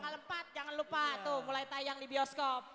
tanggal empat jangan lupa tuh mulai tayang di bioskop